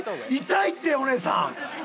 痛いってお姉さん！